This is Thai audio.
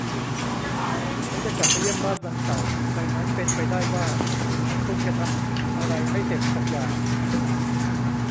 ฉันจะกลับไปเยี่ยมบ้านวันเสาร์ ดังนั้นเป็นไปได้ว่า ฉันคงจะทำอะไรไม่เสร็จสักอย่าง